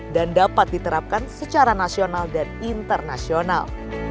dan dapat diterapkan secara nasional dan internasional